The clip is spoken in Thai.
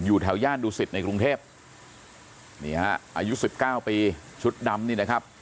อยู่แถวย่านดูศิษย์ในกรุงเทพฯนี่ฮะอายุสิบเก้าปีชุดดำนี่นะครับ